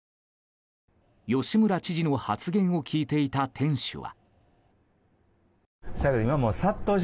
吉村知事の発言を聞いていた店主は。